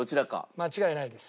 間違いないです。